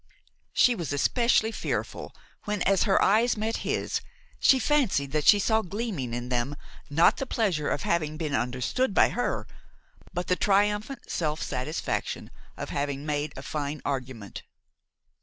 She was especially fearful when, as her eyes met his, she fancied that she saw gleaming in them, not the pleasure of having been understood by her, but the triumphant self satisfaction of having made a fine argument.